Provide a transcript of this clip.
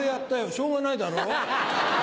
しょうがないだろう。